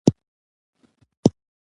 زردالو خوړل بدن ته ګټه رسوي.